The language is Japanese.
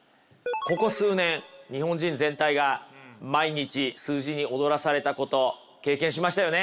ここ数年日本人全体が毎日数字に踊らされたこと経験しましたよね。